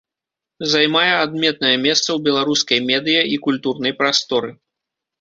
Займае адметнае месца у беларускай медыя- і культурнай прасторы.